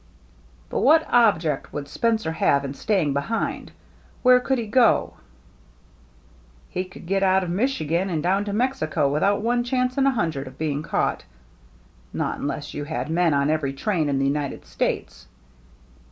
" But what object would Spencer have in staying behind ? Where could he go ?"*' He could get out of Michigan and down to Mexico without one chance in a hundred of being caught — not unless you had men on every train in the United States."